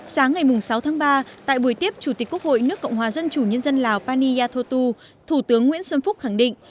sáng ngày sáu tháng ba tại buổi tiếp chủ tịch quốc hội nước cộng hòa dân chủ nhân dân lào pani yathotu thủ tướng nguyễn xuân phúc khẳng định